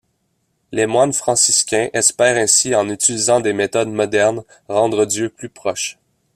Les moines franciscains espèrent ainsi en utilisant des méthodes modernes rendre Dieu plus proche.